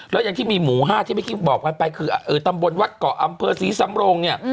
แล้วยังที่มีหมู่๕ที่เมื่อกี้บอกกันไปคือตำบลวัดเกาะอำเภอศรีสำโรงเนี่ย